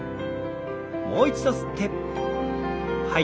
もう一度吸って吐いて。